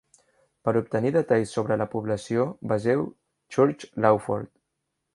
Per obtenir detalls sobre la població vegeu Church Lawford.